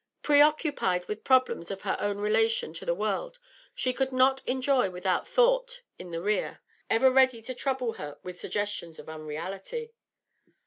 Pre occupied with problems of her own relation to the world, she could not enjoy without thought in the rear, ever ready to trouble her with suggestions of unreality.